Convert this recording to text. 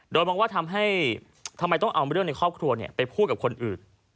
โดยมองว่าทำให้ทำไมต้องเอาเรื่องในครอบครัวไปพูดกับคนอื่น